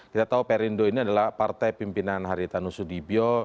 kita tahu perindu ini adalah partai pimpinan haritanusudibio